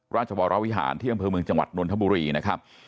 ราชวรวิหารที่อำเภอเมืองจังหวัดนนทบุรีนะครับ